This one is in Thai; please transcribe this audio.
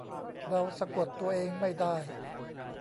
เราสะกดตัวเองไม่ได้